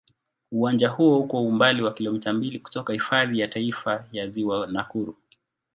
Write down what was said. Uwanja huo uko umbali wa kilomita mbili kutoka Hifadhi ya Taifa ya Ziwa Nakuru.